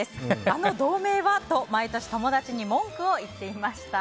あの同盟は？と毎年、友達に文句を言っていました。